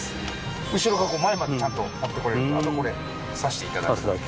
後ろから前までちゃんと持ってこれるんであとこれ挿していただく。